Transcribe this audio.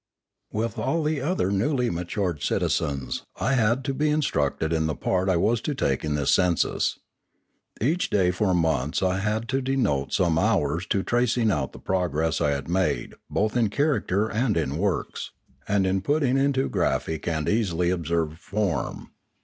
With all the other newly matured citizens, I had to be instructed in the part I was to take in this census. Each day for months I had to devote some hours to tracing out the progress I had made both in character and in works, and in putting it into graphic and easily 54Q Limanora observed form.